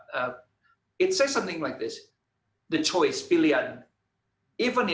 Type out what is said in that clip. dia bilang sesuatu seperti ini